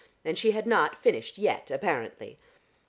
And she had not finished yet apparently....